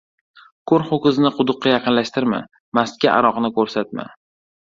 • Ko‘r ho‘kizni quduqqa yaqinlashtirma, mastga aroqni ko‘rsatma.